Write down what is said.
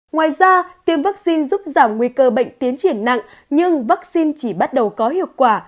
ngoài ra tiêm vaccine giúp giảm nguy cơ bệnh tiến triển nặng nhưng vaccine chỉ bắt đầu có hiệu quả